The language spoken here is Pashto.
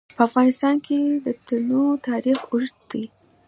په افغانستان کې د تنوع تاریخ اوږد دی.